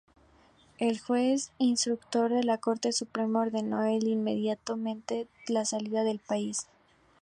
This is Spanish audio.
El juez instructor de la Corte Suprema ordenó el impedimento de salida del país.